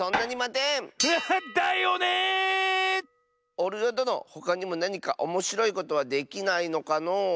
おるよどのほかにもなにかおもしろいことはできないのかのう？